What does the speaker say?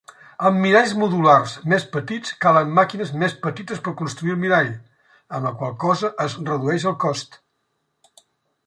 Amb miralls modulars més petits calen màquines més petites per construir el mirall, amb la qual cosa es redueix el cost.